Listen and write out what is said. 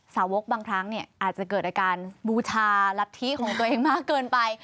สาวกบางครั้งเนี่ยอาจจะเกิดอาการบูชารัฐธิของตัวเองมากเกินไป